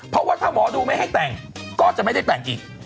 เพราะว่าถ้าหมอดูไม่ให้แต่งก็จะไม่ได้แต่งอีก